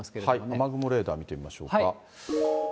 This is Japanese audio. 雨雲レーダー見てみましょうか。